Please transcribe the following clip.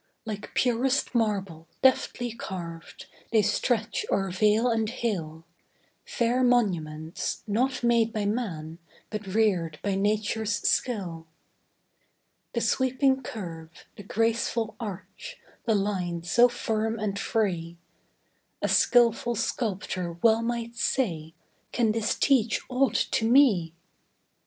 Like purest marble, deftly carv'd, They stretch o'er vale and hill, Fair monuments, not made by man, But rear'd by nature's skill. The sweeping curve, the graceful arch, The line so firm and free; A skilful sculptor well might say: "Can this teach aught to me?"